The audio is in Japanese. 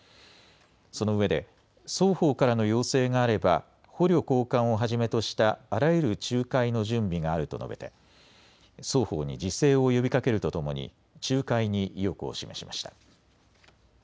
そのうえで双方からの要請があれば捕虜交換をはじめとしたあらゆる仲介の準備があると述べ双方に自制を呼びかけるとともに仲介に意欲を示しました。